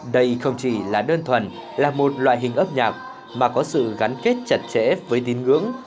đây không chỉ là đơn thuần là một loại hình âm nhạc mà có sự gắn kết chặt chẽ với tín ngưỡng